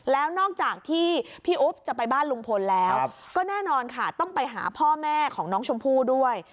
แล้วนอกจากที่พี่อุ๊บจะไปบ้านลุงพลแล้วก็แน่นอนค่ะต้องไปหาพ่อแม่ของน้องชมพู่ด้วย